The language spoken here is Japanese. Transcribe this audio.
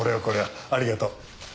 ありがとう。